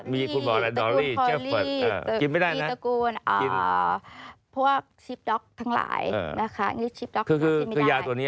มีตะกูลพอยรี่